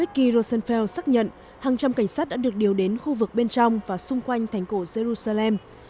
người phát ngôn cảnh sát israel ông mickey rosenfeld xác nhận hàng trăm cảnh sát đã được điều đến khu vực bên trong và xung quanh thành cổ jerusalem